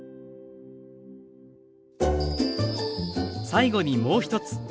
最後にもう一つ。